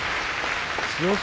千代翔